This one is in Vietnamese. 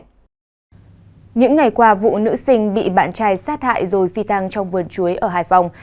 những ngày qua vụ nữ sinh bị bạn trai sát hại rồi phi tăng trong vườn chuối ở hải phòng